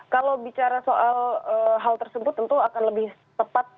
kalau bicara soal hal tersebut tentu akan lebih tepat